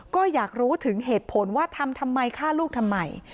ก็อยากรู้ถึงเหตุผลว่าทำทำไมฆ่าลูกทำไม